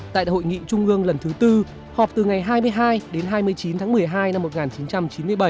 tại đại hội nghị trung ương lần thứ tư họp từ ngày hai mươi hai đến hai mươi chín tháng một mươi hai năm một nghìn chín trăm chín mươi bảy